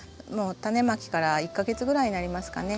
タネまきから１か月ぐらいになりますかね。